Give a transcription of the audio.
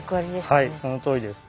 はいそのとおりです。